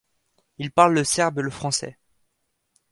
Il parle le serbe et le français.